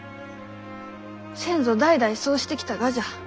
先祖代々そうしてきたがじゃ。